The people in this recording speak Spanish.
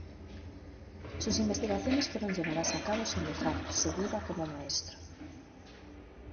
Sus investigaciones fueron llevadas a cabo sin dejar su vida como maestro.